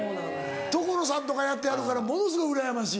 所さんとかやってはるからものすごいうらやましい。